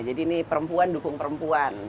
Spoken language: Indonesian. jadi ini perempuan dukung perempuan